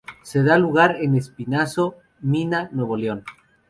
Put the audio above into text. Se da lugar en Espinazo, Mina, Nuevo León.